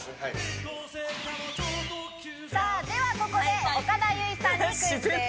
ではここで、岡田結実さんにクイズです。